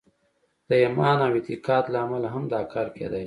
د ایمان او اعتقاد له امله هم دا کار کېدای شي